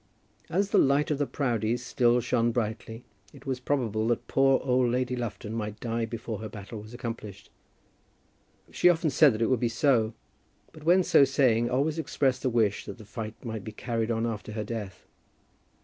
As the light of the Proudies still shone brightly, it was probable that poor old Lady Lufton might die before her battle was accomplished. She often said that it would be so, but when so saying, always expressed a wish that the fight might be carried on after her death.